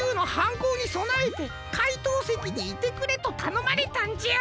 こうにそなえてかいとうせきにいてくれとたのまれたんじゃ。